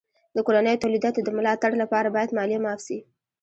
د کورنیو تولیداتو د ملا تړ لپاره باید مالیه معاف سي.